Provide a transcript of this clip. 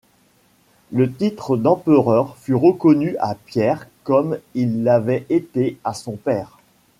Le titre d’empereur fut reconnu à Pierre comme il l’avait été à son père.